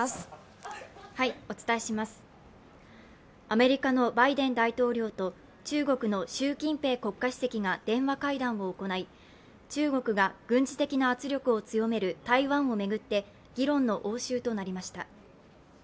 アメリカのバイデン大統領と中国の習近平国家主席が電話会談を行い、中国が軍事的な圧力を強める台湾を巡って、議論の応酬となりました。